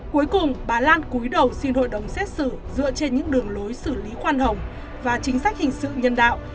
cuối cùng bà lan cúi đầu xin hội đồng xét xử dựa trên những đường lối xử lý khoan hồng và chính sách hình sự nhân đạo